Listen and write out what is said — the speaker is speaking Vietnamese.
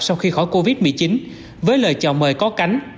sau khi khỏi covid một mươi chín với lời chào mời có cánh